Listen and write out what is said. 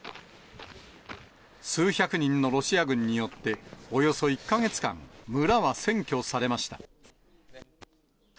数百人のロシア軍によって、およそ１か月間、村は占拠されました。